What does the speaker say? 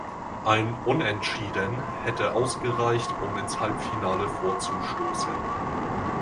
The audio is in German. Ein Unentschieden hätte ausgereicht, um ins Halbfinale vorzustoßen.